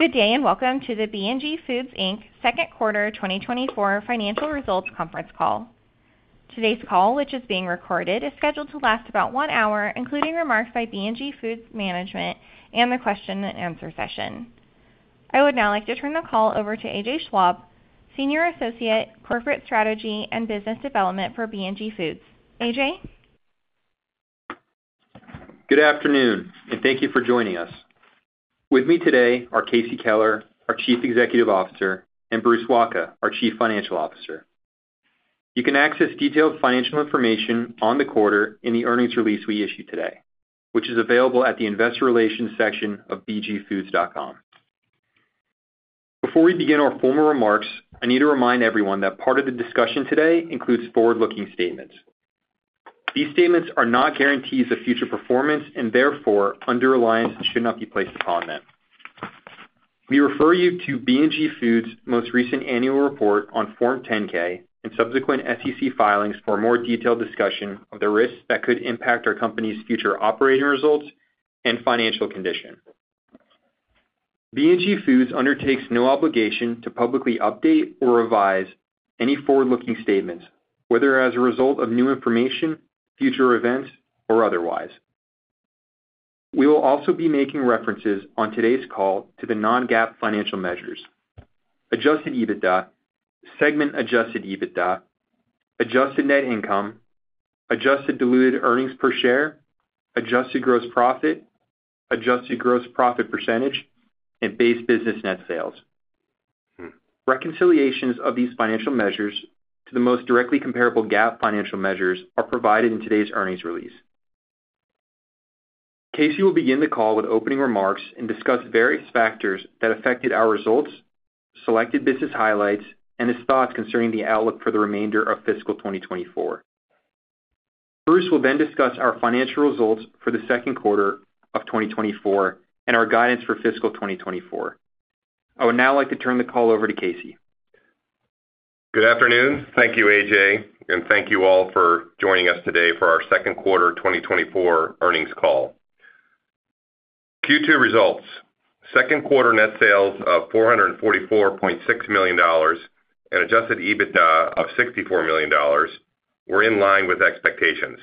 Good day, and welcome to the B&G Foods, Inc. second quarter 2024 financial results conference call. Today's call, which is being recorded, is scheduled to last about one hour, including remarks by B&G Foods management and the question and answer session. I would now like to turn the call over to A.J. Schwab, Senior Associate, Corporate Strategy and Business Development for B&G Foods. A.J.? Good afternoon, and thank you for joining us. With me today are Casey Keller, our Chief Executive Officer, and Bruce Wacha, our Chief Financial Officer. You can access detailed financial information on the quarter in the earnings release we issued today, which is available at the Investor Relations section of bgfoods.com. Before we begin our formal remarks, I need to remind everyone that part of the discussion today includes forward-looking statements. These statements are not guarantees of future performance and therefore, undue reliance, should not be placed upon them. We refer you to B&G Foods' most recent annual report on Form 10-K and subsequent SEC filings for a more detailed discussion of the risks that could impact our company's future operating results and financial condition. B&G Foods undertakes no obligation to publicly update or revise any forward-looking statements, whether as a result of new information, future events, or otherwise. We will also be making references on today's call to the non-GAAP financial measures, Adjusted EBITDA, segment Adjusted EBITDA, Adjusted net income, Adjusted diluted earnings per share, Adjusted gross profit, Adjusted gross profit percentage, and base business net sales. Reconciliations of these financial measures to the most directly comparable GAAP financial measures are provided in today's earnings release. Casey will begin the call with opening remarks and discuss various factors that affected our results, selected business highlights, and his thoughts concerning the outlook for the remainder of fiscal 2024. Bruce will then discuss our financial results for the second quarter of 2024 and our guidance for fiscal 2024. I would now like to turn the call over to Casey. Good afternoon. Thank you, A.J., and thank you all for joining us today for our second quarter 2024 earnings call. Q2 results. Second quarter net sales of $444.6 million and adjusted EBITDA of $64 million were in line with expectations.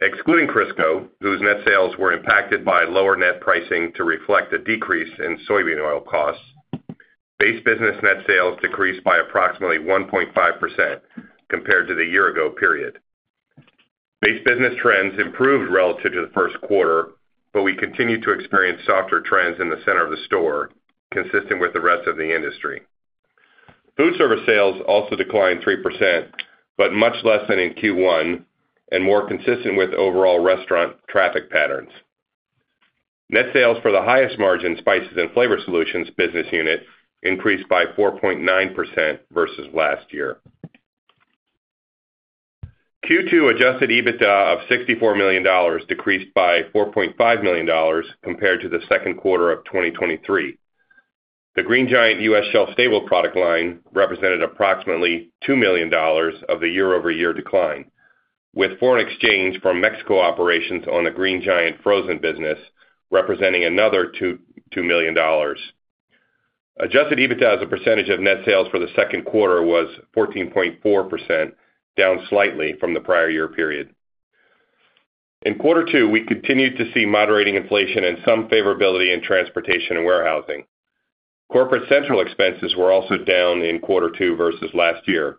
Excluding Crisco, whose net sales were impacted by lower net pricing to reflect a decrease in soybean oil costs, base business net sales decreased by approximately 1.5% compared to the year ago period. Base business trends improved relative to the first quarter, but we continued to experience softer trends in the center of the store, consistent with the rest of the industry. Food service sales also declined 3%, but much less than in Q1 and more consistent with overall restaurant traffic patterns. Net sales for the highest margin, Spices and Seasonings business unit, increased by 4.9% versus last year. Q2 adjusted EBITDA of $64 million decreased by $4.5 million compared to the second quarter of 2023. The Green Giant U.S. shelf-stable product line represented approximately $2 million of the year-over-year decline, with foreign exchange from Mexico operations on the Green Giant frozen business representing another $2.2 million. Adjusted EBITDA as a percentage of net sales for the second quarter was 14.4%, down slightly from the prior year period. In quarter two, we continued to see moderating inflation and some favorability in transportation and warehousing. Corporate central expenses were also down in quarter two versus last year,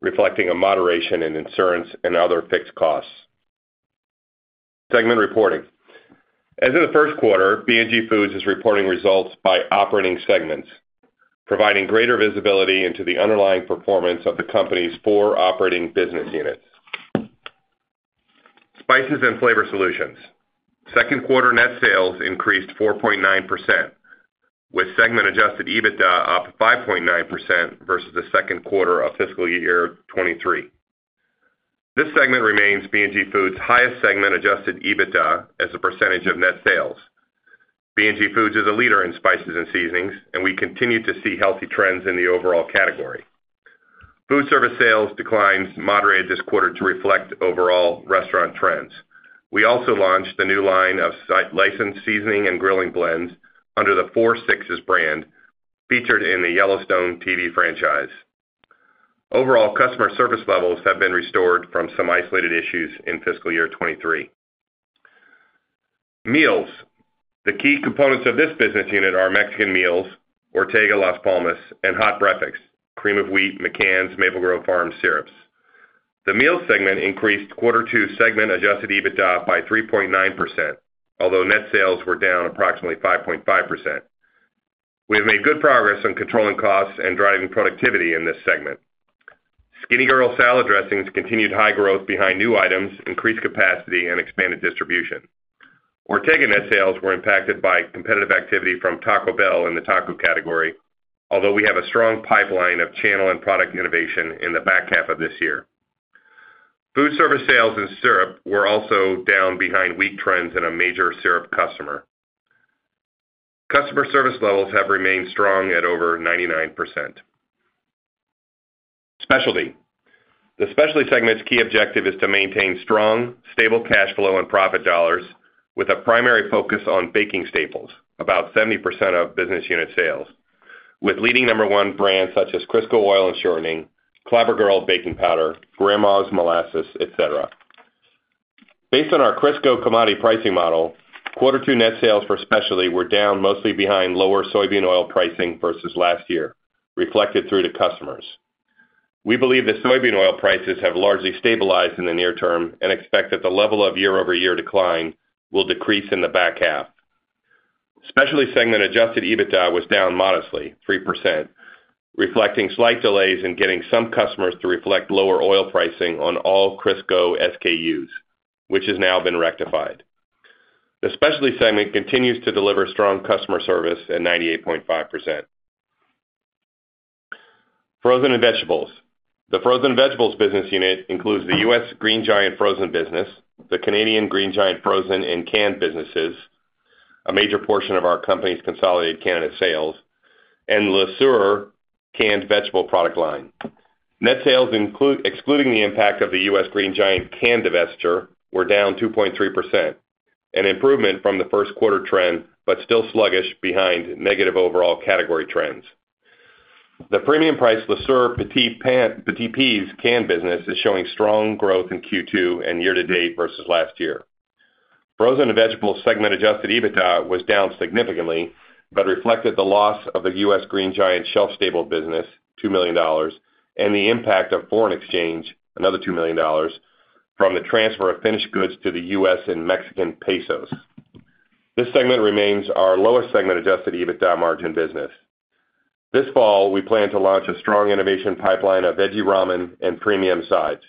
reflecting a moderation in insurance and other fixed costs. Segment reporting. As in the first quarter, B&G Foods is reporting results by operating segments, providing greater visibility into the underlying performance of the company's four operating business units. Spices and Flavor Solutions. Second quarter net sales increased 4.9%, with segment adjusted EBITDA up 5.9% versus the second quarter of fiscal year 2023. This segment remains B&G Foods' highest segment adjusted EBITDA as a percentage of net sales. B&G Foods is a leader in spices and seasonings, and we continue to see healthy trends in the overall category. Food service sales declines moderated this quarter to reflect overall restaurant trends. We also launched a new line of licensed seasoning and grilling blends under the Four Sixes brand, featured in the Yellowstone TV franchise. Overall, customer service levels have been restored from some isolated issues in fiscal year 2023. Meals. The key components of this business unit are Mexican meals, Ortega, Las Palmas, and hot breakfast, Cream of Wheat, McCann's, Maple Grove Farms syrups. The Meals segment increased quarter two segment Adjusted EBITDA by 3.9%, although net sales were down approximately 5.5%. We have made good progress on controlling costs and driving productivity in this segment. Skinnygirl salad dressings continued high growth behind new items, increased capacity, and expanded distribution. Ortega net sales were impacted by competitive activity from Taco Bell in the taco category, although we have a strong pipeline of channel and product innovation in the back half of this year. Food service sales and syrup were also down behind weak trends in a major syrup customer. Customer service levels have remained strong at over 99%. Specialty. The Specialty segment's key objective is to maintain strong, stable cash flow and profit dollars, with a primary focus on baking staples, about 70% of business unit sales, with leading number 1 brands such as Crisco oil and shortening, Clabber Girl baking powder, Grandma's Molasses, et cetera. Based on our Crisco commodity pricing model, quarter two net sales for Specialty were down, mostly behind lower soybean oil pricing versus last year, reflected through to customers. We believe the soybean oil prices have largely stabilized in the near term and expect that the level of year-over-year decline will decrease in the back half. Specialty segment Adjusted EBITDA was down modestly, 3%, reflecting slight delays in getting some customers to reflect lower oil pricing on all Crisco SKUs, which has now been rectified. The Specialty segment continues to deliver strong customer service at 98.5%. Frozen and Vegetables. The Frozen and Vegetables business unit includes the U.S. Green Giant frozen business, the Canadian Green Giant frozen and canned businesses, a major portion of our company's consolidated Canada sales, and Le Sueur canned vegetable product line. Net sales excluding the impact of the U.S. Green Giant canned divestiture, were down 2.3%, an improvement from the first quarter trend, but still sluggish behind negative overall category trends. The premium price Le Sueur Petit Pois canned business is showing strong growth in Q2 and year to date versus last year. Frozen and Vegetables segment Adjusted EBITDA was down significantly, but reflected the loss of the U.S. Green Giant shelf-stable business, $2 million, and the impact of foreign exchange, another $2 million, from the transfer of finished goods to the U.S. in Mexican pesos. This segment remains our lowest segment Adjusted EBITDA margin business. This fall, we plan to launch a strong innovation pipeline of veggie ramen and premium sides.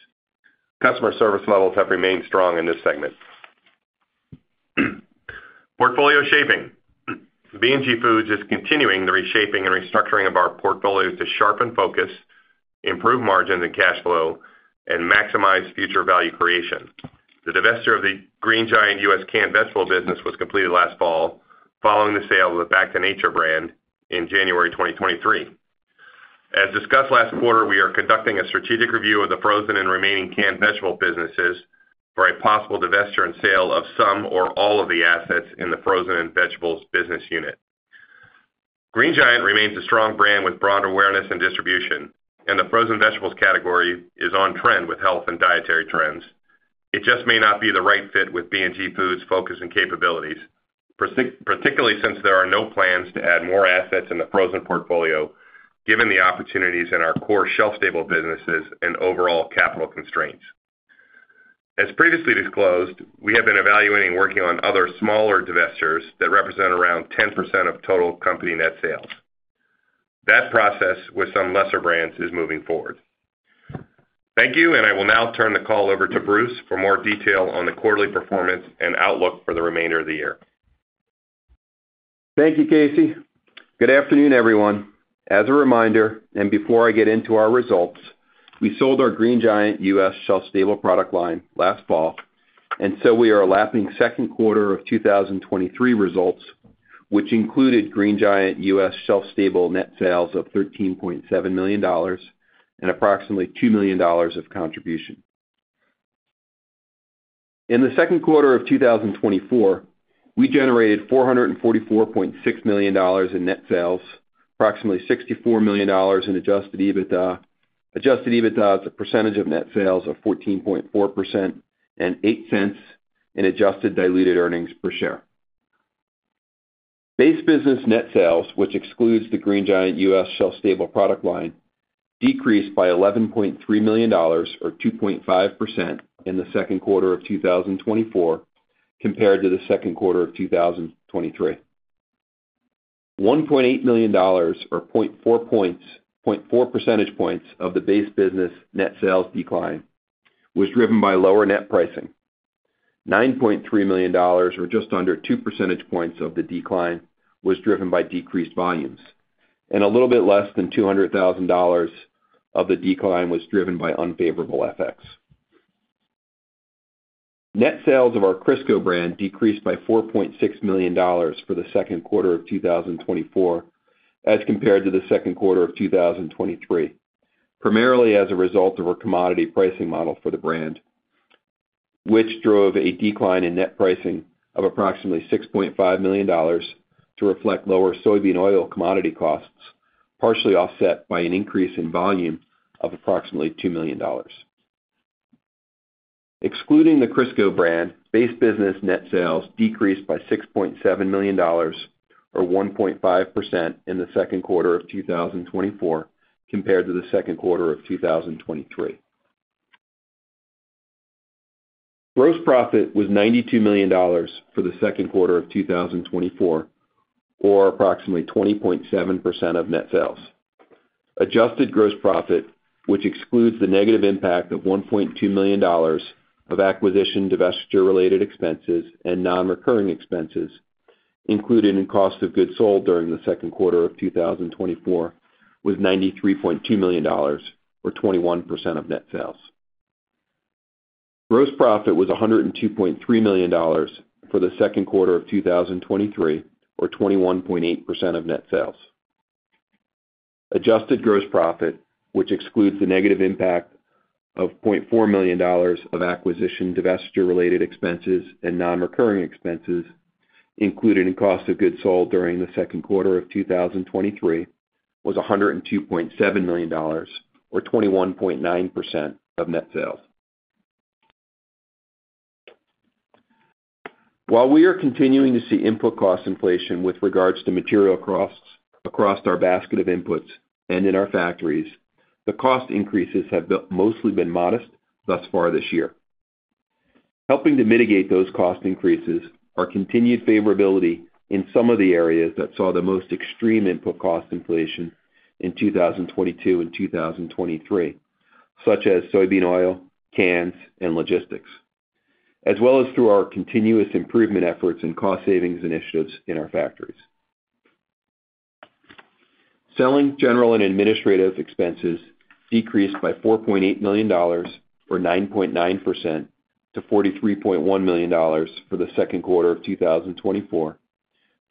Customer service levels have remained strong in this segment. Portfolio shaping. B&G Foods is continuing the reshaping and restructuring of our portfolios to sharpen focus, improve margins and cash flow, and maximize future value creation. The divestiture of the Green Giant U.S. canned vegetable business was completed last fall, following the sale of the Back to Nature brand in January 2023. As discussed last quarter, we are conducting a strategic review of the frozen and remaining canned vegetable businesses for a possible divestiture and sale of some or all of the assets in the Frozen and Vegetables business unit. Green Giant remains a strong brand with broad awareness and distribution, and the frozen vegetables category is on trend with health and dietary trends. It just may not be the right fit with B&G Foods' focus and capabilities, particularly since there are no plans to add more assets in the frozen portfolio, given the opportunities in our core shelf-stable businesses and overall capital constraints. As previously disclosed, we have been evaluating working on other smaller divestitures that represent around 10% of total company net sales. That process, with some lesser brands, is moving forward. Thank you, and I will now turn the call over to Bruce for more detail on the quarterly performance and outlook for the remainder of the year. Thank you, Casey. Good afternoon, everyone. As a reminder, and before I get into our results, we sold our Green Giant US shelf-stable product line last fall, and so we are lapping second quarter of 2023 results, which included Green Giant US shelf-stable net sales of $13.7 million and approximately $2 million of contribution. In the second quarter of 2024, we generated $444.6 million in net sales, approximately $64 million in adjusted EBITDA. Adjusted EBITDA as a percentage of net sales of 14.4% and $0.08 in adjusted diluted earnings per share. Base business net sales, which excludes the Green Giant US shelf-stable product line, decreased by $11.3 million, or 2.5%, in the second quarter of 2024, compared to the second quarter of 2023. $1.8 million or 0.4 percentage points of the base business net sales decline was driven by lower net pricing. $9.3 million, or just under 2 percentage points of the decline, was driven by decreased volumes, and a little bit less than $200,000 of the decline was driven by unfavorable FX. Net sales of our Crisco brand decreased by $4.6 million for the second quarter of 2024 as compared to the second quarter of 2023, primarily as a result of our commodity pricing model for the brand, which drove a decline in net pricing of approximately $6.5 million to reflect lower soybean oil commodity costs, partially offset by an increase in volume of approximately $2 million. Excluding the Crisco brand, base business net sales decreased by $6.7 million, or 1.5%, in the second quarter of 2024 compared to the second quarter of 2023. Gross profit was $92 million for the second quarter of 2024, or approximately 20.7% of net sales. Adjusted gross profit, which excludes the negative impact of $1.2 million of acquisition, divestiture-related expenses, and non-recurring expenses included in cost of goods sold during the second quarter of 2024, was $93.2 million or 21% of net sales. Gross profit was $102.3 million for the second quarter of 2023, or 21.8% of net sales. Adjusted gross profit, which excludes the negative impact of $0.4 million of acquisition, divestiture-related expenses and non-recurring expenses included in cost of goods sold during the second quarter of 2023, was $102.7 million or 21.9% of net sales. While we are continuing to see input cost inflation with regards to material costs across our basket of inputs and in our factories, the cost increases have been modest thus far this year. Helping to mitigate those cost increases are continued favorability in some of the areas that saw the most extreme input cost inflation in 2022 and 2023, such as soybean oil, cans, and logistics, as well as through our continuous improvement efforts and cost savings initiatives in our factories. Selling, general and administrative expenses decreased by $4.8 million, or 9.9% to $43.1 million for the second quarter of 2024,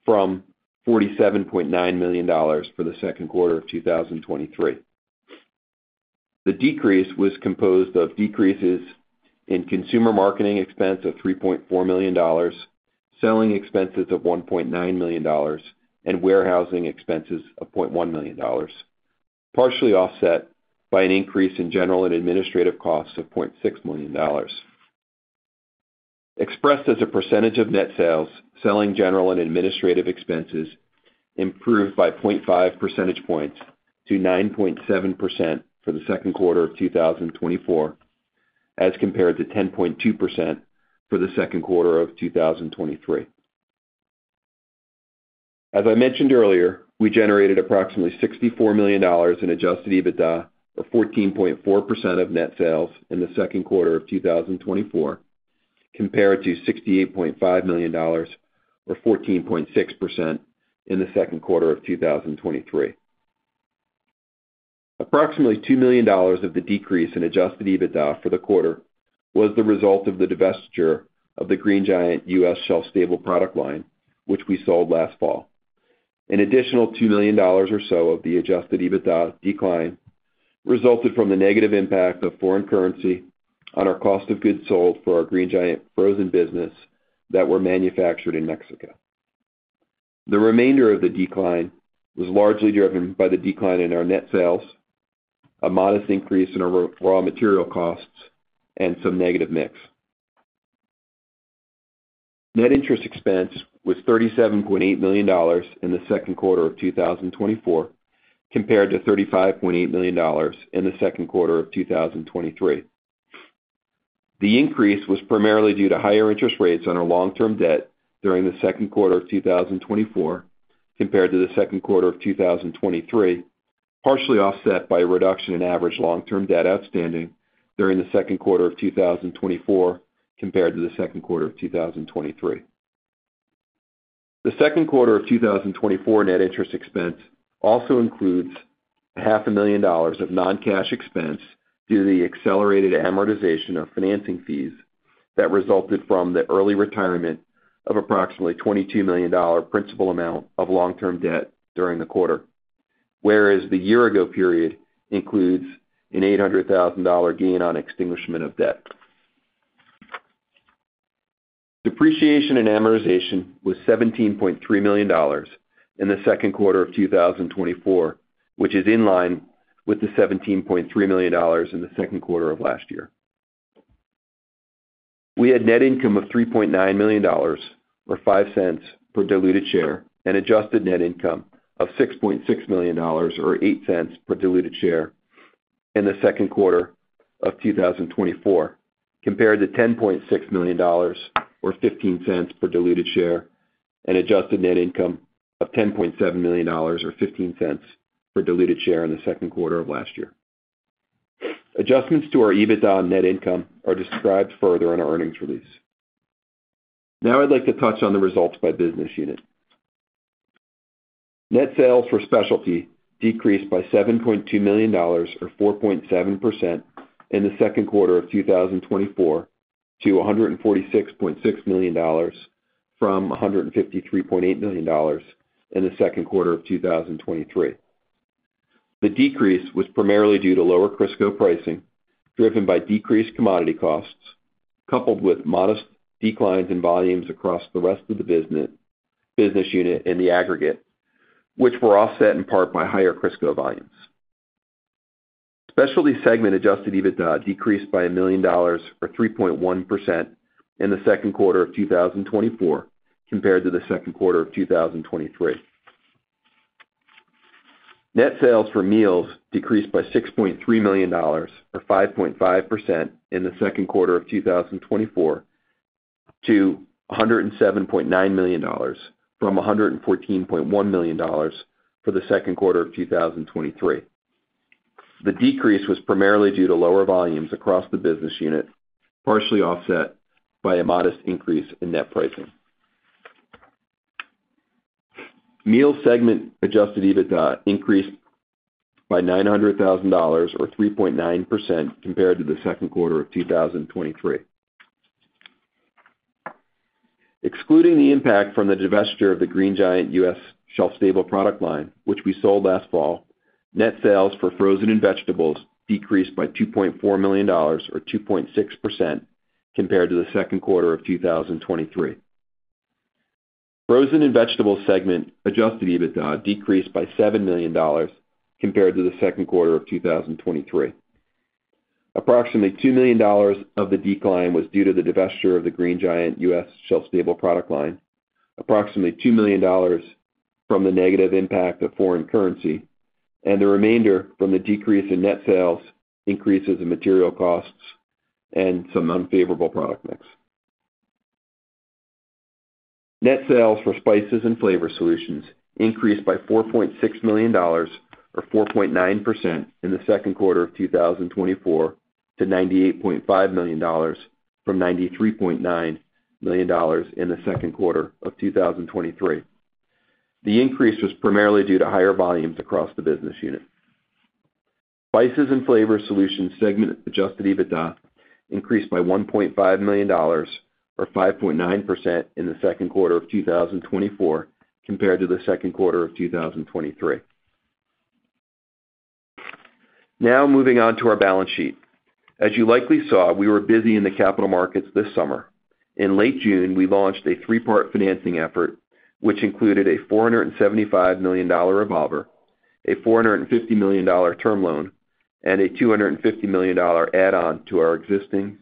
from $47.9 million for the second quarter of 2023. The decrease was composed of decreases in consumer marketing expense of $3.4 million, selling expenses of $1.9 million, and warehousing expenses of $0.1 million, partially offset by an increase in general and administrative costs of $0.6 million. Expressed as a percentage of net sales, selling general and administrative expenses improved by 0.5 percentage points to 9.7% for the second quarter of 2024, as compared to 10.2% for the second quarter of 2023. As I mentioned earlier, we generated approximately $64 million in adjusted EBITDA, or 14.4% of net sales in the second quarter of 2024, compared to $68.5 million or 14.6% in the second quarter of 2023. Approximately $2 million of the decrease in adjusted EBITDA for the quarter was the result of the divestiture of the Green Giant U.S. shelf-stable product line, which we sold last fall. An additional $2 million or so of the adjusted EBITDA decline resulted from the negative impact of foreign currency on our cost of goods sold for our Green Giant frozen business that were manufactured in Mexico. The remainder of the decline was largely driven by the decline in our net sales, a modest increase in our raw material costs, and some negative mix. Net interest expense was $37.8 million in the second quarter of 2024, compared to $35.8 million in the second quarter of 2023. The increase was primarily due to higher interest rates on our long-term debt during the second quarter of 2024, compared to the second quarter of 2023, partially offset by a reduction in average long-term debt outstanding during the second quarter of 2024, compared to the second quarter of 2023. The second quarter of 2024 net interest expense also includes $500,000 of non-cash expense due to the accelerated amortization of financing fees that resulted from the early retirement of approximately $22 million principal amount of long-term debt during the quarter, whereas the year ago period includes an $800,000 gain on extinguishment of debt. Depreciation and amortization was $17.3 million in the second quarter of 2024, which is in line with the $17.3 million in the second quarter of last year. We had net income of $3.9 million, or $0.05 per diluted share, and adjusted net income of $6.6 million or $0.08 per diluted share in the second quarter of 2024, compared to $10.6 million or $0.15 per diluted share, and adjusted net income of $10.7 million or $0.15 per diluted share in the second quarter of last year. Adjustments to our EBITDA and net income are described further in our earnings release. Now I'd like to touch on the results by business unit. Net sales for Specialty decreased by $7.2 million, or 4.7% in the second quarter of 2024, to $146.6 million from $153.8 million in the second quarter of 2023. The decrease was primarily due to lower Crisco pricing, driven by decreased commodity costs, coupled with modest declines in volumes across the rest of the business, business unit in the aggregate, which were offset in part by higher Crisco volumes. Specialty segment Adjusted EBITDA decreased by $1 million or 3.1% in the second quarter of 2024 compared to the second quarter of 2023. Net sales for Meals decreased by $6.3 million, or 5.5% in the second quarter of 2024, to $107.9 million, from $114.1 million for the second quarter of 2023. The decrease was primarily due to lower volumes across the business unit, partially offset by a modest increase in net pricing. Meals segment Adjusted EBITDA increased by $900,000 or 3.9% compared to the second quarter of 2023. Excluding the impact from the divestiture of the Green Giant U.S. shelf-stable product line, which we sold last fall, net sales for frozen and vegetables decreased by $2.4 million or 2.6% compared to the second quarter of 2023. Frozen and vegetables segment adjusted EBITDA decreased by $7 million compared to the second quarter of 2023. Approximately $2 million of the decline was due to the divestiture of the Green Giant U.S. shelf-stable product line, approximately $2 million from the negative impact of foreign currency, and the remainder from the decrease in net sales, increases in material costs, and some unfavorable product mix. Net sales for spices and flavor solutions increased by $4.6 million or 4.9% in the second quarter of 2024, to $98.5 million from $93.9 million in the second quarter of 2023. The increase was primarily due to higher volumes across the business unit. Spices and flavor solutions segment adjusted EBITDA increased by $1.5 million or 5.9% in the second quarter of 2024 compared to the second quarter of 2023. Now moving on to our balance sheet. As you likely saw, we were busy in the capital markets this summer. In late June, we launched a three-part financing effort, which included a $475 million revolver, a $450 million term loan, and a $250 million add-on to our existing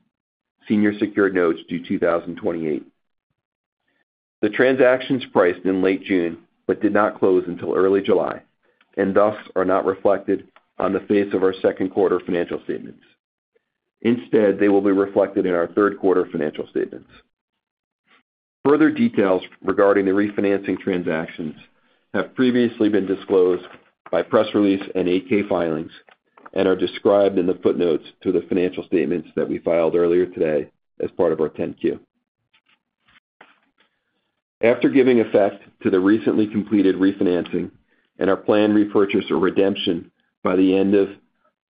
senior secured notes due 2028. The transactions priced in late June, but did not close until early July, and thus are not reflected on the face of our second quarter financial statements. Instead, they will be reflected in our third quarter financial statements. Further details regarding the refinancing transactions have previously been disclosed by press release and 8-K filings and are described in the footnotes to the financial statements that we filed earlier today as part of our 10-Q. After giving effect to the recently completed refinancing and our planned repurchase or redemption by the end of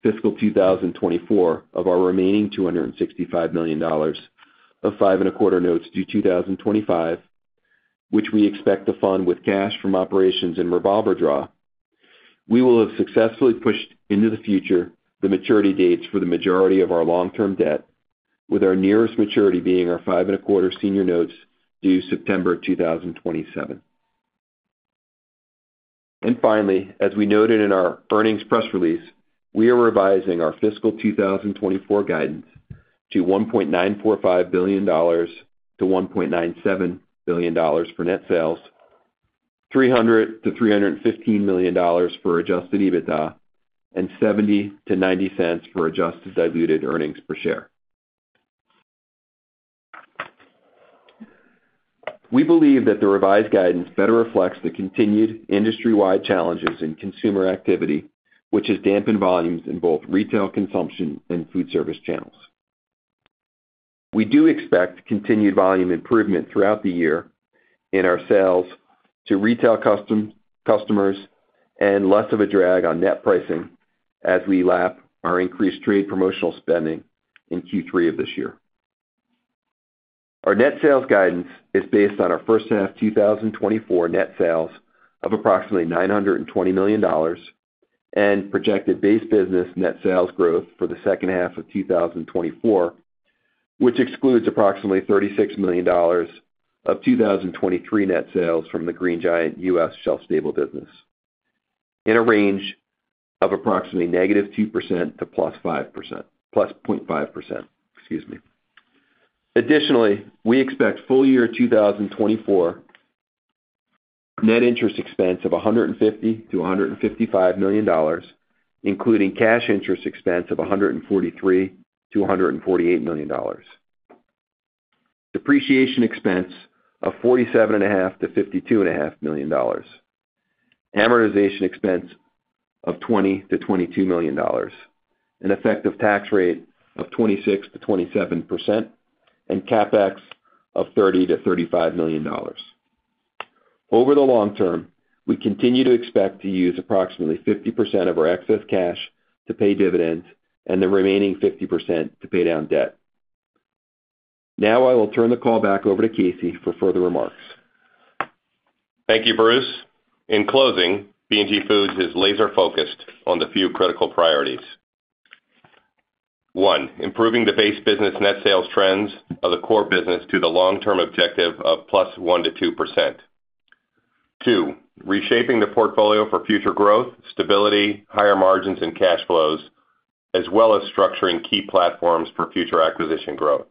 fiscal 2024 of our remaining $265 million of 5.25% notes due 2025, which we expect to fund with cash from operations and revolver draw, we will have successfully pushed into the future the maturity dates for the majority of our long-term debt, with our nearest maturity being our 5.25% senior notes due September 2027. Finally, as we noted in our earnings press release, we are revising our fiscal 2024 guidance to $1.945 billion-$1.97 billion for net sales, $300 million-$315 million for adjusted EBITDA, and $0.70-$0.90 for adjusted diluted earnings per share. We believe that the revised guidance better reflects the continued industry-wide challenges in consumer activity, which has dampened volumes in both retail consumption and food service channels. We do expect continued volume improvement throughout the year in our sales to retail customers and less of a drag on net pricing as we lap our increased trade promotional spending in Q3 of this year. Our net sales guidance is based on our first half 2024 net sales of approximately $920 million, and projected base business net sales growth for the second half of 2024, which excludes approximately $36 million of 2023 net sales from the Green Giant US shelf stable business, in a range of approximately -2% to +0.5%, excuse me. Additionally, we expect full year 2024 net interest expense of $150 million-$155 million, including cash interest expense of $143 million-$148 million. Depreciation expense of $47.5 million-$52.5 million. Amortization expense of $20 million-$22 million. An effective tax rate of 26%-27%, and CapEx of $30 million-$35 million. Over the long term, we continue to expect to use approximately 50% of our excess cash to pay dividends and the remaining 50% to pay down debt. Now I will turn the call back over to Casey for further remarks. Thank you, Bruce. In closing, B&G Foods is laser-focused on the few critical priorities. One, improving the base business net sales trends of the core business to the long-term objective of +1% to 2%. Two, reshaping the portfolio for future growth, stability, higher margins and cash flows, as well as structuring key platforms for future acquisition growth.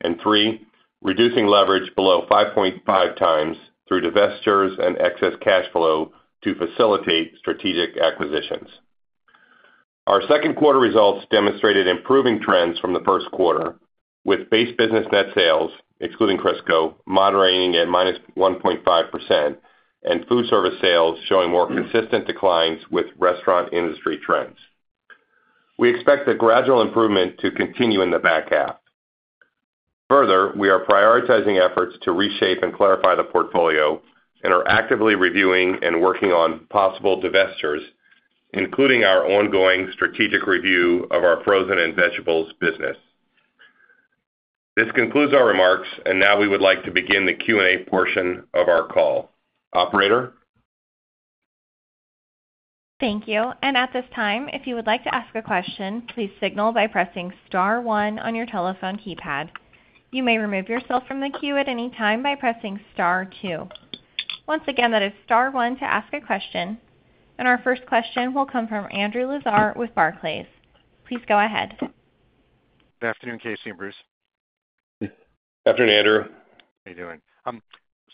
And three, reducing leverage below 5.5x through divestitures and excess cash flow to facilitate strategic acquisitions. Our second quarter results demonstrated improving trends from the first quarter, with base business net sales, excluding Crisco, moderating at -1.5%, and food service sales showing more consistent declines with restaurant industry trends. We expect the gradual improvement to continue in the back half. Further, we are prioritizing efforts to reshape and clarify the portfolio and are actively reviewing and working on possible divestitures, including our ongoing strategic review of our frozen and vegetables business. This concludes our remarks, and now we would like to begin the Q&A portion of our call. Operator? Thank you. At this time, if you would like to ask a question, please signal by pressing star one on your telephone keypad. You may remove yourself from the queue at any time by pressing star two. Once again, that is star one to ask a question, and our first question will come from Andrew Lazar with Barclays. Please go ahead. Good afternoon, Casey and Bruce. Afternoon, Andrew. How are you doing?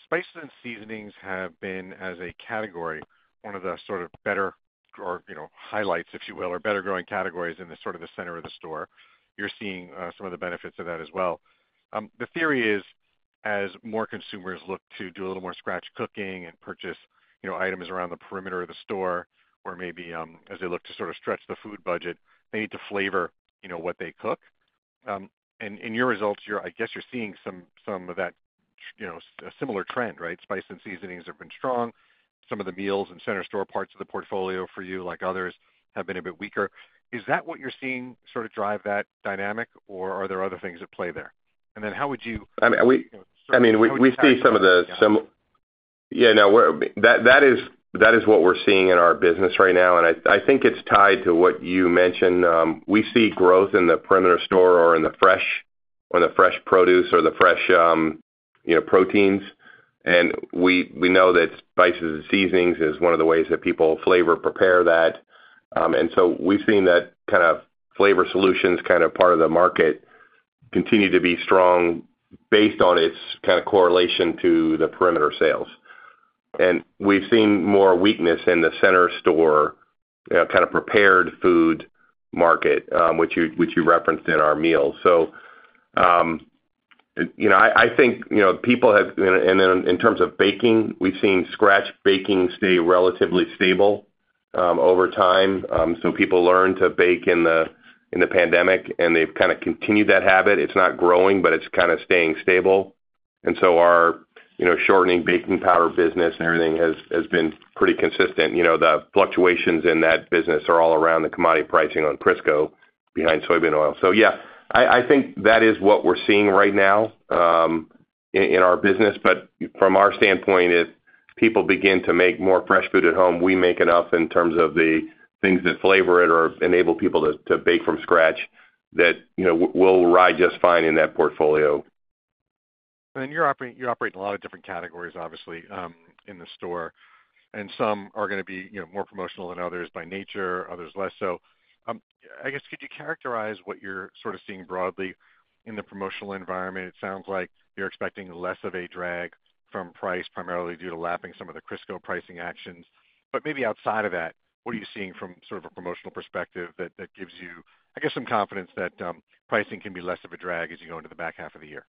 Spices and seasonings have been, as a category, one of the sort of better or, you know, highlights, if you will, or better growing categories in the sort of the center of the store. You're seeing some of the benefits of that as well. The theory is, as more consumers look to do a little more scratch cooking and purchase, you know, items around the perimeter of the store, or maybe, as they look to sort of stretch the food budget, they need to flavor, you know, what they cook. And in your results, I guess you're seeing some of that, you know, similar trend, right? Spices and seasonings have been strong. Some of the meals and center store parts of the portfolio for you, like others, have been a bit weaker. Is that what you're seeing sort of drive that dynamic, or are there other things at play there? And then how would you- I mean, we see some of that. That is what we're seeing in our business right now, and I think it's tied to what you mentioned. We see growth in the perimeter store or in the fresh, or the fresh produce or the fresh, you know, proteins, and we know that spices and seasonings is one of the ways that people flavor-prepare that. And so we've seen that kind of flavor solutions, kind of part of the market, continue to be strong based on its kind of correlation to the perimeter sales. And we've seen more weakness in the center store, kind of prepared food market, which you referenced in our meals. So, you know, I think, you know, people have and then in terms of baking, we've seen scratch baking stay relatively stable, over time. Some people learned to bake in the pandemic, and they've kind of continued that habit. It's not growing, but it's kind of staying stable. And so our, you know, shortening baking powder business and everything has been pretty consistent. You know, the fluctuations in that business are all around the commodity pricing on Crisco behind soybean oil. So, yeah, I think that is what we're seeing right now, in our business. But from our standpoint, if people begin to make more fresh food at home, we make enough in terms of the things that flavor it or enable people to bake from scratch, that, you know, we'll ride just fine in that portfolio. You're operating, you operate in a lot of different categories, obviously, in the store, and some are gonna be, you know, more promotional than others by nature, others less so. I guess, could you characterize what you're sort of seeing broadly in the promotional environment? It sounds like you're expecting less of a drag from price, primarily due to lapping some of the Crisco pricing actions. But maybe outside of that, what are you seeing from sort of a promotional perspective that gives you, I guess, some confidence that pricing can be less of a drag as you go into the back half of the year?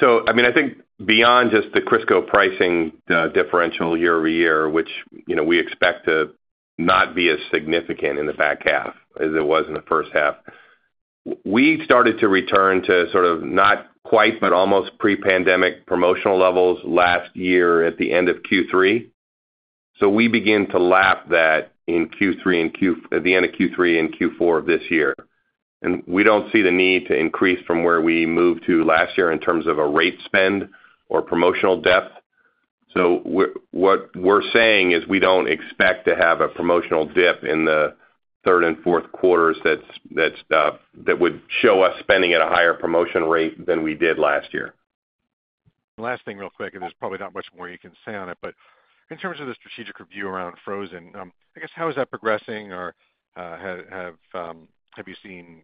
So, I mean, I think beyond just the Crisco pricing differential year-over-year, which, you know, we expect to not be as significant in the back half as it was in the first half, we started to return to sort of not quite, but almost pre-pandemic promotional levels last year at the end of Q3. So we began to lap that in Q3 and at the end of Q3 and Q4 of this year. And we don't see the need to increase from where we moved to last year in terms of a rate spend or promotional depth. So what we're saying is we don't expect to have a promotional dip in the third and fourth quarters that would show us spending at a higher promotion rate than we did last year. Last thing, real quick, and there's probably not much more you can say on it, but in terms of the strategic review around frozen, I guess, how is that progressing? Or, have you seen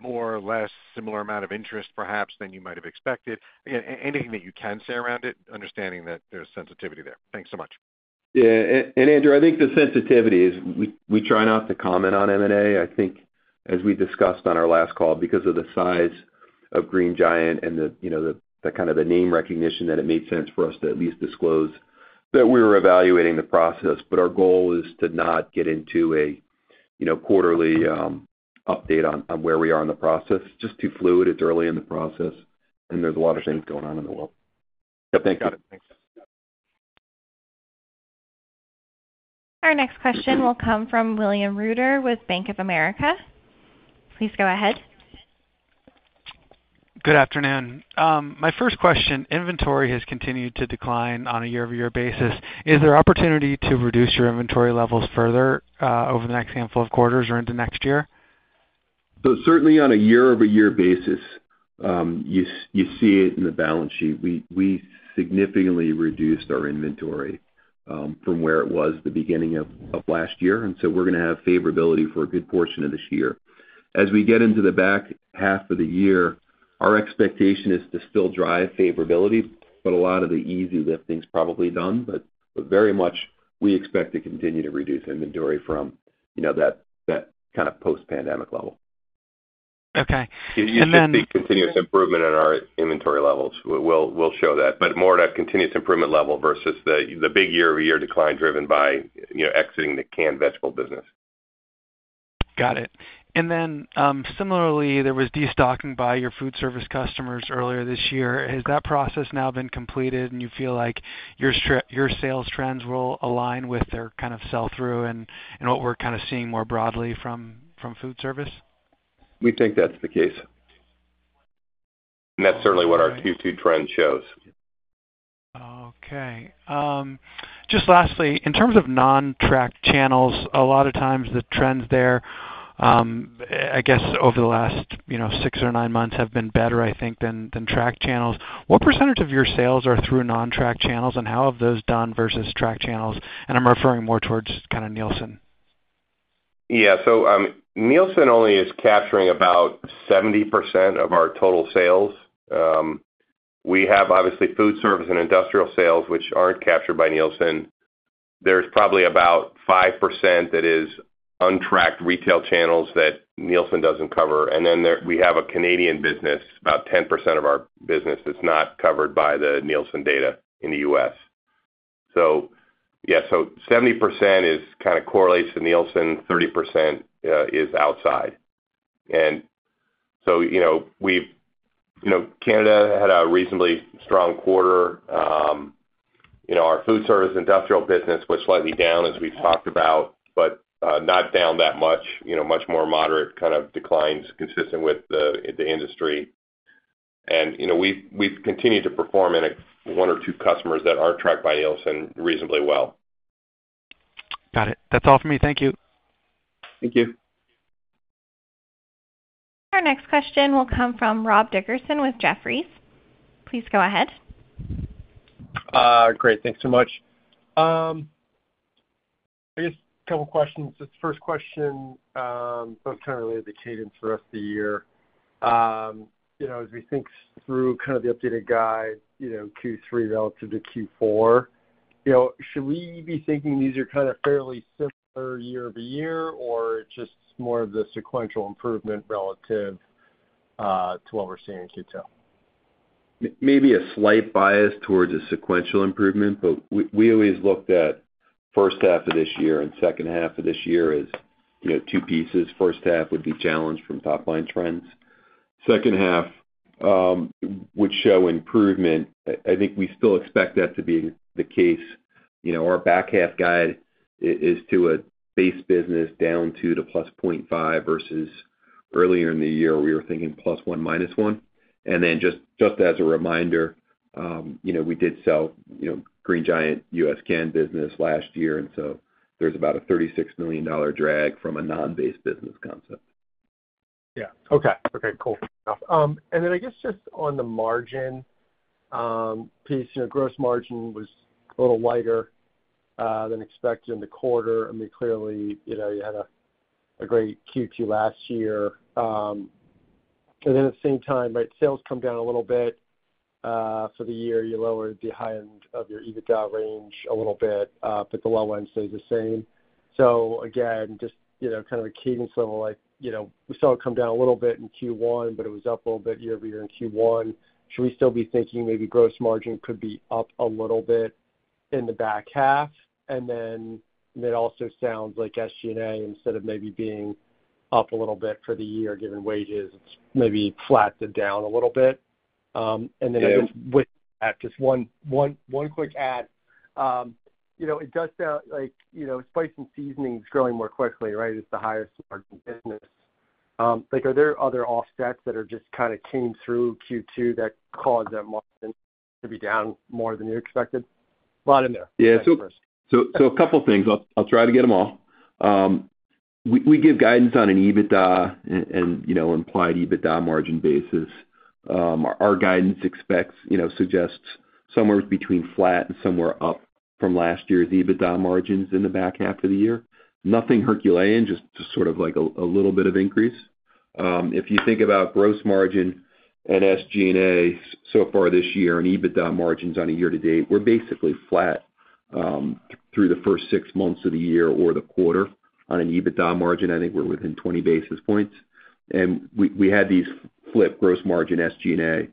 more or less similar amount of interest, perhaps, than you might have expected? Anything that you can say around it, understanding that there's sensitivity there. Thanks so much. Yeah, Andrew, I think the sensitivity is we try not to comment on M&A. I think as we discussed on our last call, because of the size of Green Giant and you know, the kind of name recognition, that it made sense for us to at least disclose that we were evaluating the process. But our goal is to not get into a you know, quarterly update on where we are in the process. It's just too fluid, it's early in the process, and there's a lot of things going on in the world. Got it. Thanks. Our next question will come from William Reuter with Bank of America Corporation. Please go ahead. Good afternoon. My first question, inventory has continued to decline on a year-over-year basis. Is there opportunity to reduce your inventory levels further, over the next handful of quarters or into next year? So certainly on a year-over-year basis, you see it in the balance sheet. We significantly reduced our inventory from where it was the beginning of last year, and so we're gonna have favorability for a good portion of this year. As we get into the back half of the year, our expectation is to still drive favorability, but a lot of the easy lifting is probably done. But very much, we expect to continue to reduce inventory from, you know, that kind of post-pandemic level. Okay. And then- You should see continuous improvement in our inventory levels. We'll show that, but more at a continuous improvement level versus the big year-over-year decline driven by, you know, exiting the canned vegetable business.... Got it. And then, similarly, there was destocking by your food service customers earlier this year. Has that process now been completed, and you feel like your sales trends will align with their kind of sell-through and what we're kind of seeing more broadly from food service? We think that's the case. And that's certainly what our Q2 trend shows. Okay. Just lastly, in terms of non-tracked channels, a lot of times the trends there, I guess over the last, you know, six or nine months, have been better, I think, than tracked channels. What percentage of your sales are through non-tracked channels, and how have those done versus tracked channels? And I'm referring more towards kind of Nielsen. Yeah, so, Nielsen only is capturing about 70% of our total sales. We have, obviously, food service and industrial sales, which aren't captured by Nielsen. There's probably about 5% that is untracked retail channels that Nielsen doesn't cover, and then there we have a Canadian business, about 10% of our business that's not covered by the Nielsen data in the U.S. So yeah, so 70% is kind of correlates to Nielsen, 30% is outside. And so, you know, we've, you know, Canada had a reasonably strong quarter. You know, our food service industrial business was slightly down, as we've talked about, but, not down that much, you know, much more moderate kind of declines consistent with the, the industry. And, you know, we've, we've continued to perform in a one or two customers that aren't tracked by Nielsen reasonably well. Got it. That's all for me. Thank you. Thank you. Our next question will come from Rob Dickerson with Jefferies. Please go ahead. Great. Thanks so much. I guess a couple questions. This first question, both kind of related to the cadence for the rest of the year. You know, as we think through kind of the updated guide, you know, Q3 relative to Q4, you know, should we be thinking these are kind of fairly similar year-over-year, or just more of the sequential improvement relative to what we're seeing in Q2? Maybe a slight bias towards a sequential improvement, but we always looked at first half of this year and second half of this year as, you know, two pieces. First half would be challenged from top-line trends. Second half would show improvement. I think we still expect that to be the case. You know, our back half guide is to a base business down 2% to +0.5% versus earlier in the year, we were thinking +1% to -1%. And then just as a reminder, you know, we did sell, you know, Green Giant U.S. Can business last year, and so there's about a $36 million drag from a non-base business concept. Yeah. Okay. Okay, cool. And then I guess just on the margin piece, you know, gross margin was a little lighter than expected in the quarter. I mean, clearly, you know, you had a great Q2 last year. And then at the same time, right, sales come down a little bit for the year, you lowered the high end of your EBITDA range a little bit, but the low end stays the same. So again, just, you know, kind of a cadence level, like, you know, we saw it come down a little bit in Q1, but it was up a little bit year over year in Q1. Should we still be thinking maybe gross margin could be up a little bit in the back half? And then it also sounds like SG&A, instead of maybe being up a little bit for the year, given wages, maybe flats it down a little bit. And then- Yeah... with that, just one quick add. You know, it does sound like, you know, spice and seasoning is growing more quickly, right? It's the highest margin business. Like, are there other offsets that are just kind of came through Q2 that caused that margin to be down more than you expected? Lot in there. Yeah. Thanks first. So, a couple things. I'll try to get them all. We give guidance on an EBITDA and, you know, implied EBITDA margin basis. Our guidance expects, you know, suggests somewhere between flat and somewhere up from last year's EBITDA margins in the back half of the year. Nothing Herculean, just sort of like a little bit of increase. If you think about gross margin and SG&A so far this year and EBITDA margins on a year to date, we're basically flat through the first six months of the year or the quarter. On an EBITDA margin, I think we're within 20 basis points. And we had these flip gross margin, SG&A.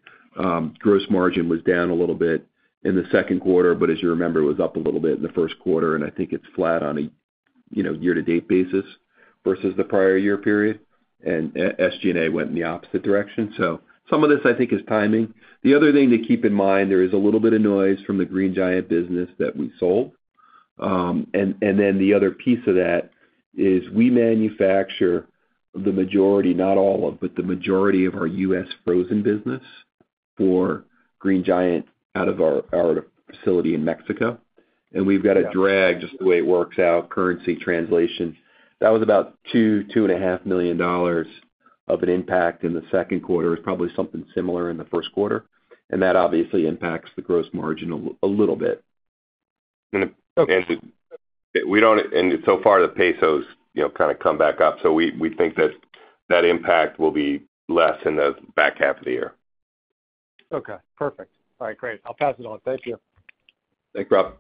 Gross margin was down a little bit in the second quarter, but as you remember, it was up a little bit in the first quarter, and I think it's flat on a, you know, year to date basis versus the prior year period. And, SG&A went in the opposite direction. So some of this, I think, is timing. The other thing to keep in mind, there is a little bit of noise from the Green Giant business that we sold. And then the other piece of that is we manufacture the majority, not all of, but the majority of our U.S. frozen business for Green Giant out of our facility in Mexico. Yeah. We've got a drag, just the way it works out, currency translation. That was about $2 million-$2.5 million of an impact in the second quarter. It's probably something similar in the first quarter, and that obviously impacts the gross margin a little bit. Okay. And so far, the pesos, you know, kind of come back up. So we, we think that that impact will be less in the back half of the year. Okay, perfect. All right, great. I'll pass it on. Thank you. Thanks, Rob.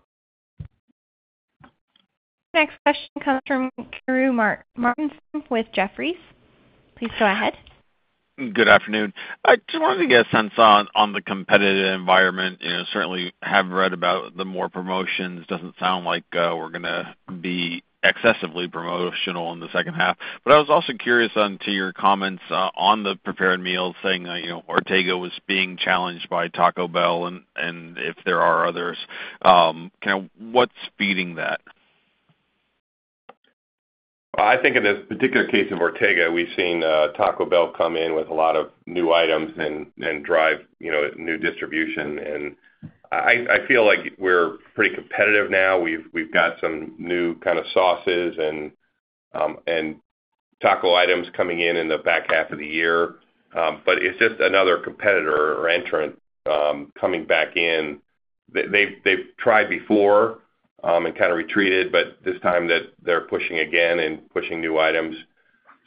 Next question comes from Karru Martinson with Jefferies. Please go ahead.... Good afternoon. I just wanted to get a sense on the competitive environment. You know, certainly have read about the more promotions. Doesn't sound like we're gonna be excessively promotional in the second half. But I was also curious on to your comments on the prepared meal, saying that, you know, Ortega was being challenged by Taco Bell, and if there are others, kind of what's feeding that? I think in this particular case of Ortega, we've seen Taco Bell come in with a lot of new items and drive, you know, new distribution. And I feel like we're pretty competitive now. We've got some new kind of sauces and taco items coming in in the back half of the year. But it's just another competitor or entrant coming back in. They've tried before and kind of retreated, but this time they're pushing again and pushing new items.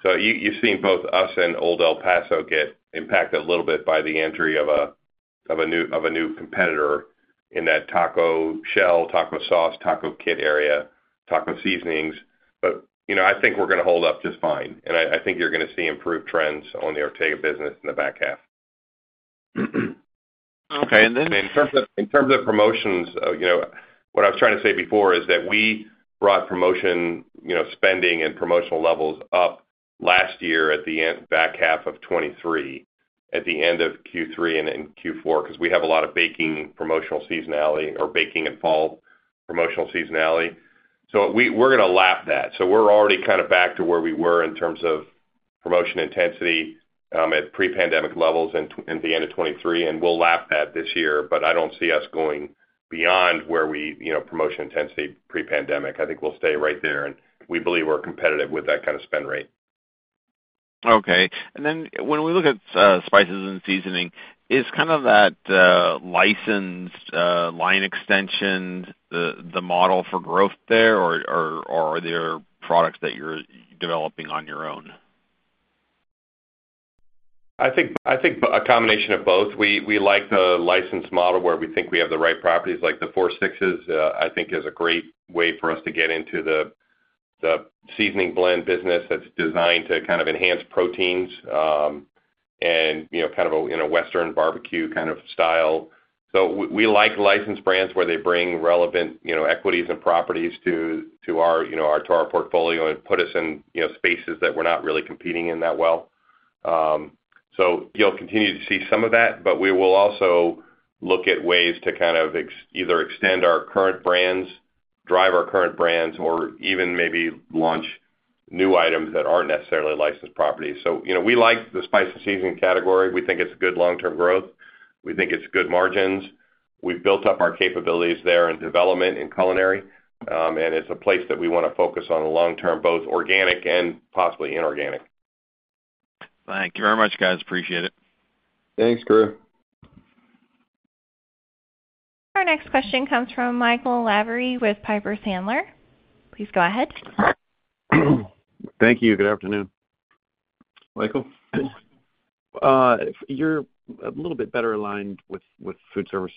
So you've seen both us and Old El Paso get impacted a little bit by the entry of a new competitor in that taco shell, taco sauce, taco kit area, taco seasonings. But, you know, I think we're gonna hold up just fine, and I, I think you're gonna see improved trends on the Ortega business in the back half. Okay, and then- In terms of, in terms of promotions, you know, what I was trying to say before is that we brought promotion, you know, spending and promotional levels up last year at the end back half of 2023, at the end of Q3 and in Q4, because we have a lot of baking promotional seasonality or baking and fall promotional seasonality. So we're gonna lap that. So we're already kind of back to where we were in terms of promotion intensity at pre-pandemic levels in the end of 2023, and we'll lap that this year. But I don't see us going beyond where we, you know, promotion intensity pre-pandemic. I think we'll stay right there, and we believe we're competitive with that kind of spend rate. Okay. And then when we look at spices and seasoning, is kind of that licensed line extension the model for growth there, or are there products that you're developing on your own? I think, I think a combination of both. We, we like the licensed model, where we think we have the right properties, like the Four Sixes, I think is a great way for us to get into the, the seasoning blend business that's designed to kind of enhance proteins, and, you know, kind of a, in a western barbecue kind of style. So we, we like licensed brands where they bring relevant, you know, equities and properties to, to our, you know, to our portfolio and put us in, you know, spaces that we're not really competing in that well. So you'll continue to see some of that, but we will also look at ways to kind of either extend our current brands, drive our current brands, or even maybe launch new items that aren't necessarily licensed properties. So, you know, we like the spice and seasoning category. We think it's good long-term growth. We think it's good margins. We've built up our capabilities there in development and culinary, and it's a place that we want to focus on the long term, both organic and possibly inorganic. Thank you very much, guys. Appreciate it. Thanks, Karru. Our next question comes from Michael Lavery with Piper Sandler. Please go ahead. Thank you. Good afternoon. Michael. You're a little bit better aligned with food service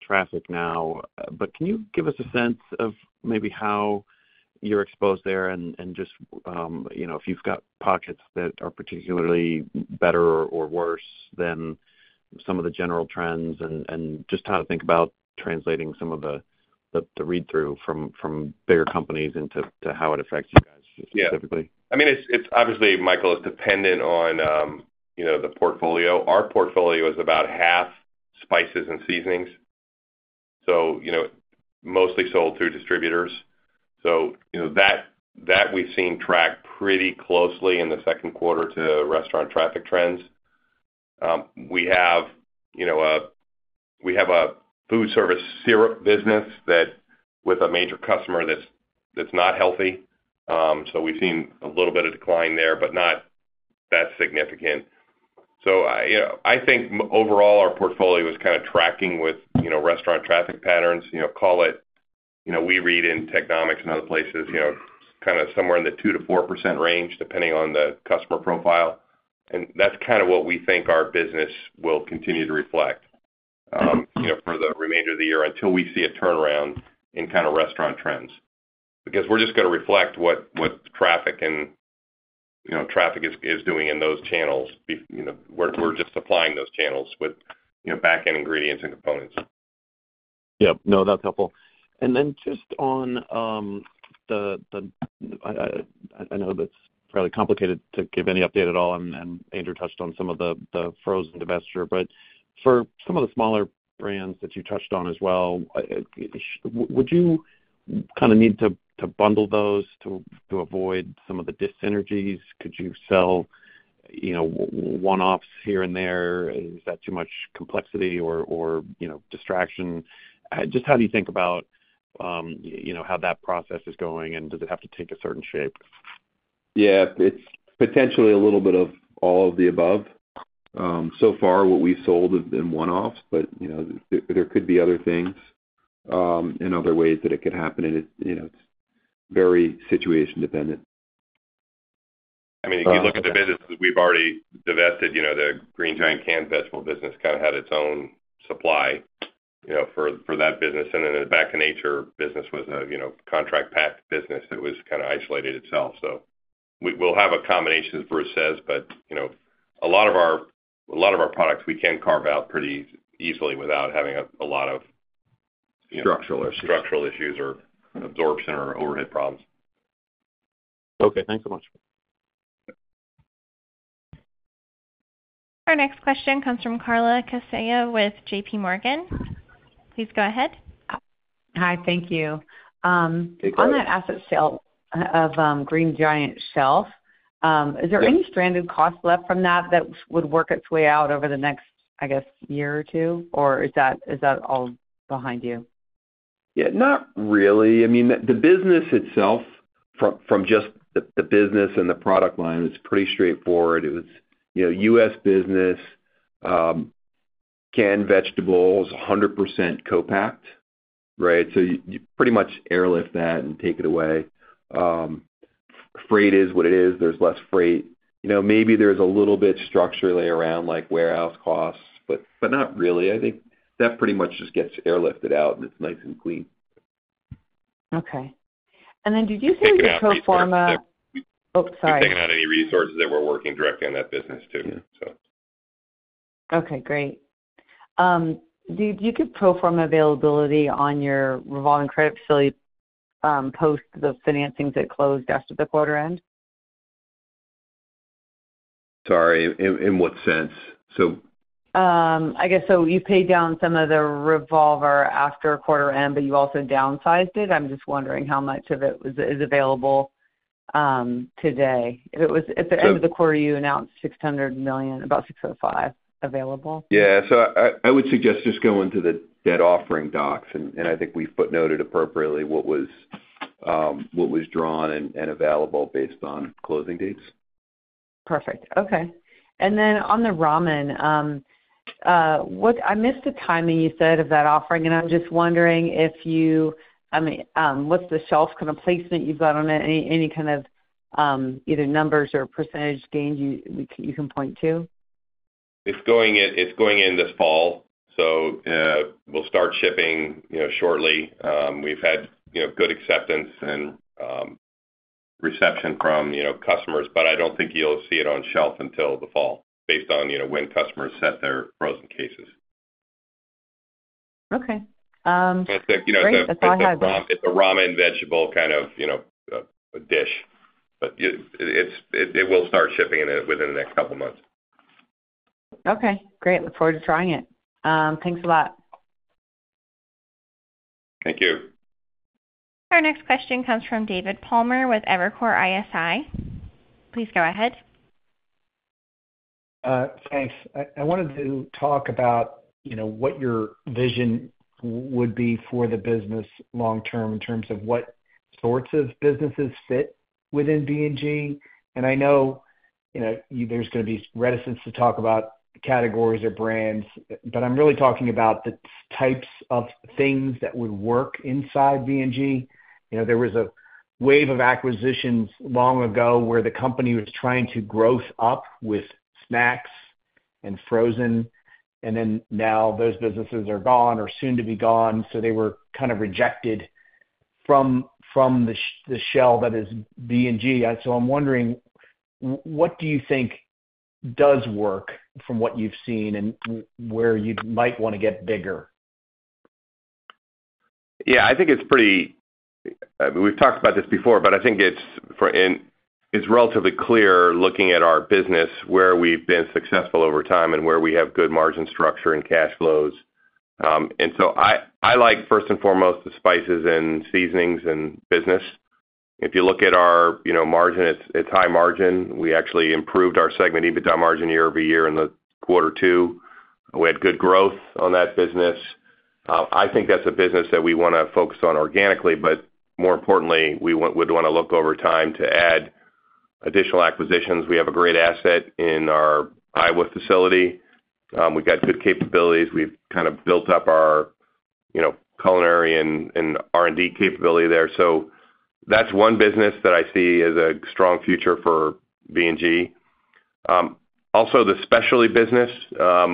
traffic now, but can you give us a sense of maybe how you're exposed there and just, you know, if you've got pockets that are particularly better or worse than some of the general trends, and just how to think about translating some of the read-through from bigger companies into how it affects you guys specifically? Yeah. I mean, it's, it's obviously, Michael, it's dependent on, you know, the portfolio. Our portfolio is about half spices and seasonings, so, you know, mostly sold through distributors. So, you know, that, that we've seen track pretty closely in the second quarter to restaurant traffic trends. We have, you know, we have a food service syrup business that, with a major customer that's, that's not healthy. So we've seen a little bit of decline there, but not that significant. So I, you know, I think overall our portfolio is kind of tracking with, you know, restaurant traffic patterns. You know, call it, you know, we read in Technomic and other places, you know, kind of somewhere in the 2%-4% range, depending on the customer profile. That's kind of what we think our business will continue to reflect, you know, for the remainder of the year, until we see a turnaround in kind of restaurant trends. Because we're just gonna reflect what traffic and, you know, traffic is doing in those channels. You know, we're just supplying those channels with, you know, back-end ingredients and components. Yep. No, that's helpful. And then just on, I know that's fairly complicated to give any update at all, and Andrew touched on some of the frozen divestiture. But for some of the smaller brands that you touched on as well, would you kind of need to bundle those to avoid some of the dis-synergies? Could you sell, you know, one-offs here and there? Is that too much complexity or, you know, distraction? Just how do you think about, you know, how that process is going, and does it have to take a certain shape? Yeah, it's potentially a little bit of all of the above. So far, what we've sold has been one-offs, but, you know, there, there could be other things, and other ways that it could happen. And it's, you know, it's very situation dependent. I mean, if you look at the businesses we've already divested, you know, the Green Giant canned vegetable business kind of had its own supply... you know, for, for that business. And then the Back to Nature business was a, you know, contract pack business that was kind of isolated itself. So we-we'll have a combination, as Bruce says, but, you know, a lot of our, a lot of our products, we can carve out pretty easily without having a, a lot of- Structural issues. structural issues or absorption or overhead problems. Okay. Thanks so much. Our next question comes from Carla Casella with JP Morgan Chase & Co. Please go ahead. Hi, thank you. Hey, Carla. On that asset sale of Green Giant shelf Yeah... is there any stranded costs left from that, that would work its way out over the next, I guess, year or two? Or is that, is that all behind you? Yeah, not really. I mean, the business itself, from just the business and the product line, it's pretty straightforward. It was, you know, U.S. business, canned vegetables, 100% co-packed, right? So you pretty much airlift that and take it away. Freight is what it is. There's less freight. You know, maybe there's a little bit structurally around, like warehouse costs, but not really. I think that pretty much just gets airlifted out, and it's nice and clean. Okay. And then did you say you pro forma- Taking out resources. Oh, sorry. We've taken out any resources that were working directly on that business, too, so. Okay, great. Do you give pro forma availability on your revolving credit facility, post the financings that closed after the quarter end? Sorry, in what sense? So- I guess, so you paid down some of the revolver after quarter end, but you also downsized it. I'm just wondering how much of it is available today. If it was- So- At the end of the quarter, you announced $600 million, about $605 million available. Yeah, so I would suggest just going to the debt offering docs, and I think we footnoted appropriately what was drawn and available based on closing dates. Perfect. Okay. Then on the ramen, what—I missed the timing you said of that offering, and I'm just wondering if you—I mean, what's the shelf kind of placement you've got on it? Any kind of either numbers or percentage gains you can point to? It's going in, it's going in this fall, so we'll start shipping, you know, shortly. We've had, you know, good acceptance and reception from, you know, customers. But I don't think you'll see it on shelf until the fall, based on, you know, when customers set their frozen cases. Okay. Great. You know, it's a- That's all I had. It's a ramen vegetable, kind of, you know, a dish, but it will start shipping in within the next couple of months. Okay, great. Look forward to trying it. Thanks a lot. Thank you. Our next question comes from David Palmer with Evercore ISI. Please go ahead. Thanks. I wanted to talk about, you know, what your vision would be for the business long term, in terms of what sorts of businesses fit within B&G. And I know, you know, there's gonna be reticence to talk about categories or brands, but I'm really talking about the types of things that would work inside B&G. You know, there was a wave of acquisitions long ago, where the company was trying to grow up with snacks and frozen, and then now those businesses are gone or soon to be gone, so they were kind of rejected from the shell that is B&G. So I'm wondering, what do you think does work from what you've seen and where you might wanna get bigger? Yeah, I think it's pretty clear. We've talked about this before, but I think it's clear, and it's relatively clear, looking at our business, where we've been successful over time and where we have good margin structure and cash flows. So I like, first and foremost, the spices and seasonings business. If you look at our, you know, margin, it's high margin. We actually improved our segment EBITDA margin year over year in quarter two. We had good growth on that business. I think that's a business that we wanna focus on organically, but more importantly, we'd wanna look over time to add additional acquisitions. We have a great asset in our Iowa facility. We've got good capabilities. We've kind of built up our, you know, culinary and R&D capability there. So that's one business that I see as a strong future for B&G. Also the specialty business,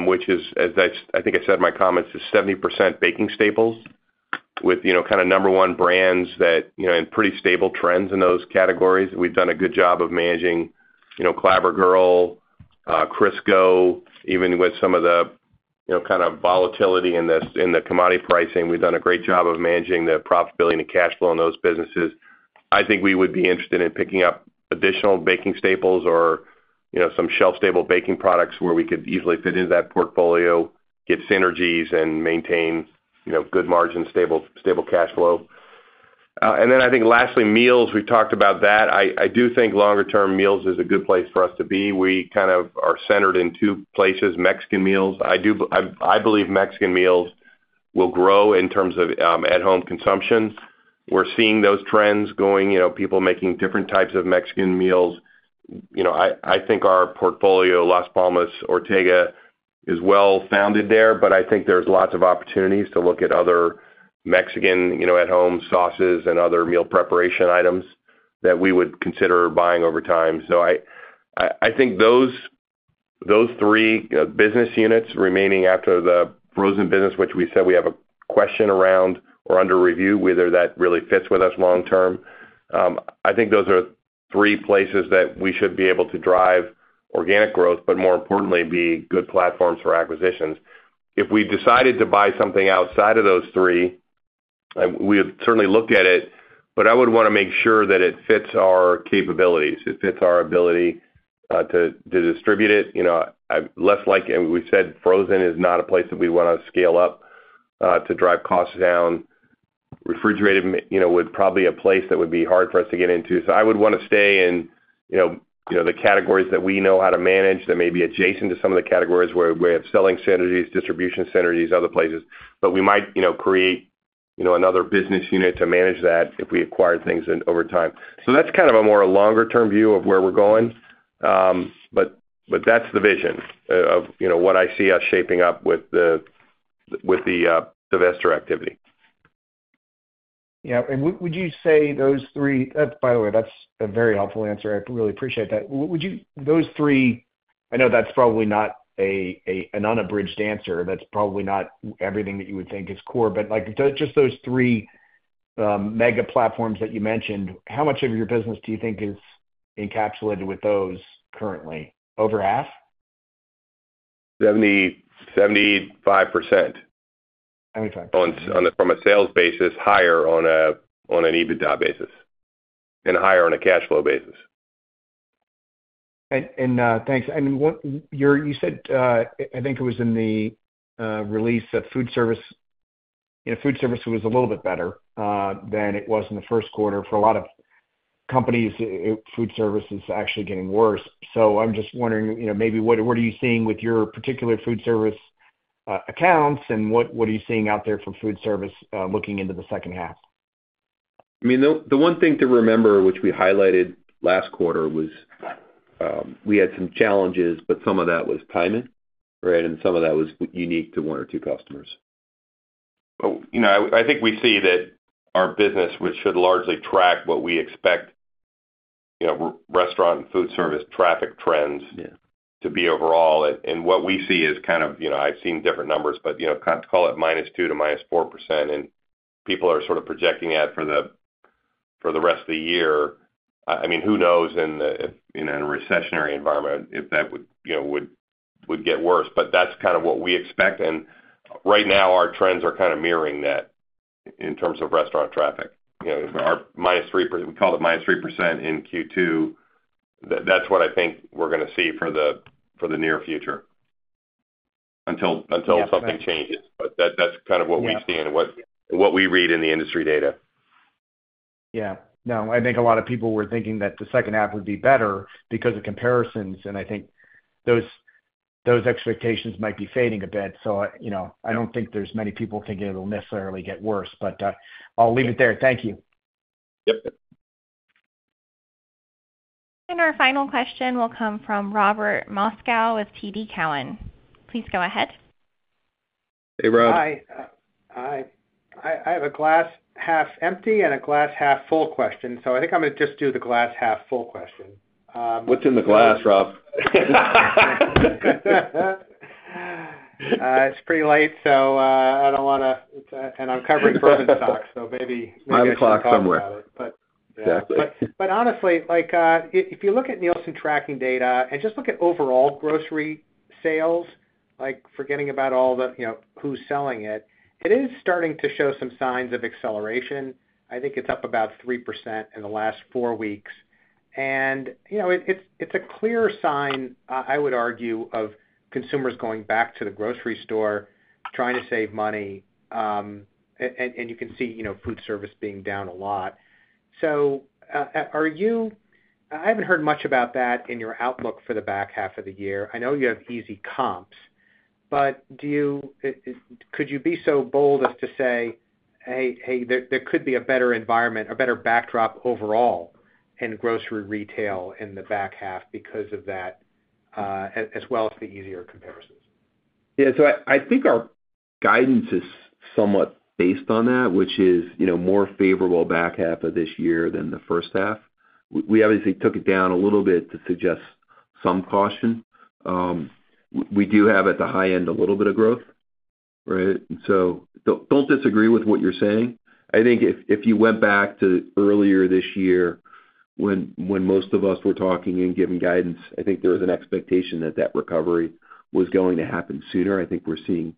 which is, as I think I said in my comments, is 70% baking staples with, you know, kind of number-one brands that, you know, in pretty stable trends in those categories. We've done a good job of managing, you know, Clabber Girl, Crisco, even with some of the, you know, kind of volatility in the commodity pricing. We've done a great job of managing the profitability and the cash flow in those businesses. I think we would be interested in picking up additional baking staples or, you know, some shelf-stable baking products where we could easily fit into that portfolio, get synergies and maintain, you know, good margin, stable cash flow. And then I think lastly, meals, we've talked about that. I do think longer term, meals is a good place for us to be. We kind of are centered in two places, Mexican meals. I do, I believe Mexican meals will grow in terms of at-home consumption. We're seeing those trends going, you know, people making different types of Mexican meals. You know, I think our portfolio, Las Palmas, Ortega, is well-founded there, but I think there's lots of opportunities to look at other Mexican, you know, at-home sauces and other meal preparation items that we would consider buying over time. So I think those three business units remaining after the frozen business, which we said we have a question around or under review, whether that really fits with us long term. I think those are three places that we should be able to drive organic growth, but more importantly, be good platforms for acquisitions. If we decided to buy something outside of those three, we have certainly looked at it, but I would wanna make sure that it fits our capabilities, it fits our ability to distribute it. You know, I less like and we said, frozen is not a place that we wanna scale up to drive costs down. Refrigerated, you know, would probably a place that would be hard for us to get into. So I would wanna stay in, you know, the categories that we know how to manage, that may be adjacent to some of the categories where we have selling synergies, distribution synergies, other places. But we might, you know, create, you know, another business unit to manage that if we acquire things over time. So that's kind of a more longer-term view of where we're going. But that's the vision of, you know, what I see us shaping up with the investor activity. Yeah. Would you say those three? By the way, that's a very helpful answer. I really appreciate that. Would you— Those three... I know that's probably not an unabridged answer. That's probably not everything that you would think is core, but, like, just those three mega platforms that you mentioned, how much of your business do you think is encapsulated with those currently? Over half? 70%-75%. Seventy-five. On a sales basis, higher on an EBITDA basis, and higher on a cash flow basis. Thanks. I mean, what, you said, I think it was in the release that food service, you know, food service was a little bit better than it was in the first quarter. For a lot of companies, food service is actually getting worse. So I'm just wondering, you know, maybe what, what are you seeing with your particular food service accounts, and what, what are you seeing out there for food service looking into the second half? I mean, the one thing to remember, which we highlighted last quarter, was we had some challenges, but some of that was timing, right? And some of that was unique to one or two customers. You know, I think we see that our business, which should largely track what we expect, you know, restaurant and food service traffic trends- Yeah ... to be overall, and what we see is kind of, you know, I've seen different numbers, but, you know, call it -2% to -4%, and people are sort of projecting out for the rest of the year. I mean, who knows, in a recessionary environment, if that would, you know, get worse. But that's kind of what we expect, and right now, our trends are kind of mirroring that in terms of restaurant traffic. You know, our -3%, we call it -3% in Q2, that's what I think we're gonna see for the near future until something changes. Yeah. But that, that's kind of what we see- Yeah... and what we read in the industry data. Yeah. No, I think a lot of people were thinking that the second half would be better because of comparisons, and I think those expectations might be fading a bit. So, you know, I don't think there's many people thinking it'll necessarily get worse, but I'll leave it there. Thank you. Yep. Our final question will come from Robert Moskow with TD Cowen. Please go ahead. Hey, Rob. Hi. Hi. I have a glass half empty and a glass half full question, so I think I'm gonna just do the glass half full question. What's in the glass, Rob? It's pretty late, so I don't wanna... and I'm covering frozen stocks, so maybe- 9 o'clock somewhere. But- Exactly. But honestly, like, if you look at Nielsen tracking data and just look at overall grocery sales, like forgetting about all the, you know, who's selling it, it is starting to show some signs of acceleration. I think it's up about 3% in the last four weeks. And, you know, it is a clear sign, I would argue, of consumers going back to the grocery store, trying to save money, and you can see, you know, food service being down a lot. So, are you-- I haven't heard much about that in your outlook for the back half of the year. I know you have easy comps, but do you could you be so bold as to say, "Hey, hey, there, there could be a better environment or better backdrop overall in grocery retail in the back half because of that, as well as the easier comparisons? Yeah, so I think our guidance is somewhat based on that, which is, you know, more favorable back half of this year than the first half. We obviously took it down a little bit to suggest some caution. We do have, at the high end, a little bit of growth, right? So don't disagree with what you're saying. I think if you went back to earlier this year when most of us were talking and giving guidance, I think there was an expectation that that recovery was going to happen sooner. I think we're seeing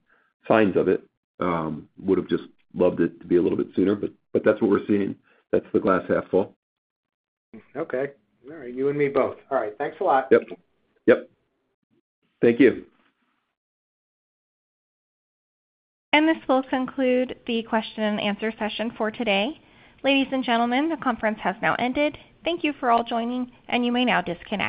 signs of it. I would have just loved it to be a little bit sooner, but that's what we're seeing. That's the glass half full. Okay. All right. You and me both. All right. Thanks a lot. Yep. Yep. Thank you. This will conclude the question and answer session for today. Ladies and gentlemen, the conference has now ended. Thank you for all joining, and you may now disconnect.